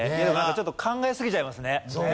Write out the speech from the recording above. ちょっと考えすぎちゃいますね。